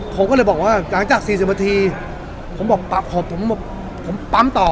ผมก็เลยบอกว่าหลังจากสี่สิบนาทีผมบอกผมบอกผมปั๊มต่อ